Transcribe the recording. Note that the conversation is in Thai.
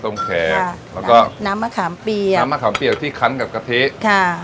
แขกค่ะแล้วก็น้ำมะขามเปียกน้ำมะขามเปียกที่คันกับกะทิค่ะ